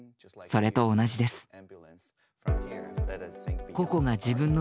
それと同じです。